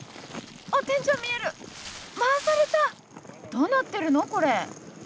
どうなってるのこれ？